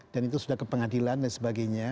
dan itu sudah ke pengadilan dan sebagainya